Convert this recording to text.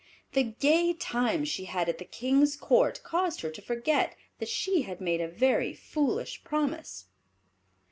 The gay times she had at the King's Court caused her to forget that she had made a very foolish promise.